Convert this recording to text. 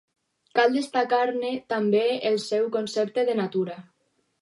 Cal destacar-ne també el seu concepte de natura.